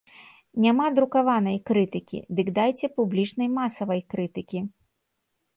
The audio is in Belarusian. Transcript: Няма друкаванай крытыкі, дык дайце публічнай масавай крытыкі!